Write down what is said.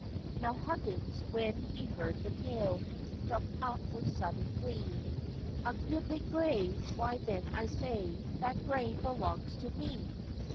Now Huggins, when he heard the tale, Jumped up with sudden glee; "A goodly gray! why, then, I say That gray belongs to me!